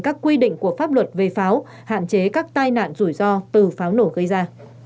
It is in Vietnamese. các quy định của pháp luật về pháo hạn chế các tai nạn rủi ro từ pháo nổ gây ra